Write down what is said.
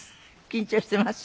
緊張してます？